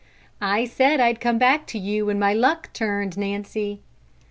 "I said I'd come back to you when my luck turned, Nancy."